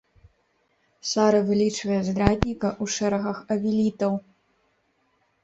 Сара вылічвае здрадніка ў шэрагах авелітаў.